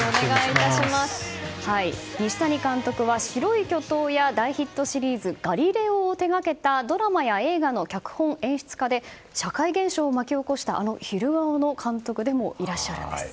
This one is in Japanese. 西谷監督は「白い巨塔」や大ヒットシリーズ「ガリレオ」を手掛けたドラマや映画の脚本・演出家で社会現象を巻き起こしたあの「昼顔」の監督でもいらっしゃるんです。